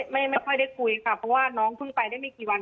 ไม่ค่อยได้คุยค่ะเพราะว่าน้องเพิ่งไปได้ไม่กี่วัน